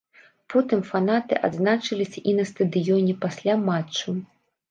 Потым фанаты адзначыліся і на стадыёне, пасля матчу.